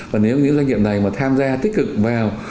và nếu những doanh nghiệp này mà tham gia tích cực vào